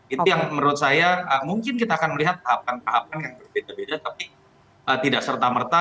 itu yang menurut saya mungkin kita akan melihat tahapan tahapan yang berbeda beda tapi tidak serta merta